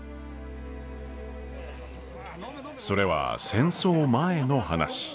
それは戦争前の話。